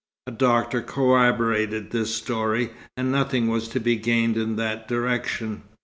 A doctor corroborated this story, and nothing was to be gained in that direction.